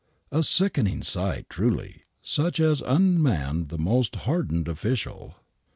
A sickening sight, truly, such as unmanned the most hardened official.